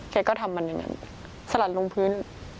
แกก็ทำมันอย่างนั้นสลัดลงพื้น